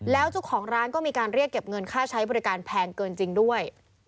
แล้วเจ้าของร้านก็มีการเรียกเก็บเงินค่าใช้บริการแพงเกินจริงด้วย